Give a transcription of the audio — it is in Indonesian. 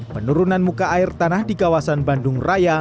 penurunan muka air tanah di kawasan bandung raya